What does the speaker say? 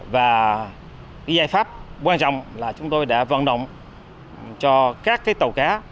và cái giải pháp quan trọng là chúng tôi đã vận động cho các tàu cá